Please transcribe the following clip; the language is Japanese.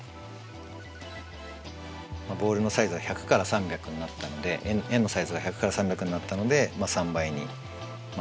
ボールのサイズが１００から３００になったので円のサイズが１００から３００になったので３倍になったと。